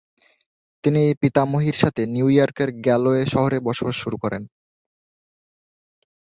তিনি পিতামহীর সাথে নিউ ইয়র্কের গ্যালওয়ে শহরে বসবাস শুরু করেন।